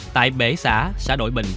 tại bể xã xã đội bình